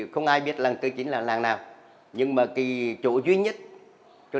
không ai biết làng tư chính là làng nào